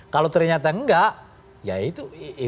kalau ternyata enggak ya itu